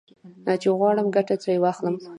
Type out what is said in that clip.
چې غواړم ګټه ترې واخلم.